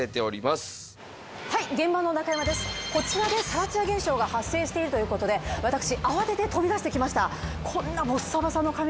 こちらでサラツヤ現象が発生しているという事で私慌てて飛び出してきました。